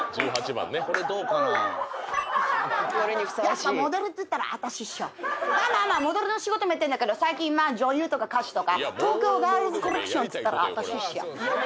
「やっぱモデルっつったらあたしっしょ」「モデルの仕事やってるけど最近女優とか歌手とか東京ガールズコレクションっつったらあたしっしょ」